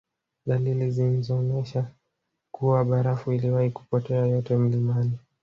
Dalili zinzonesha kuwa barafu iliwahi kupotea yote mlimani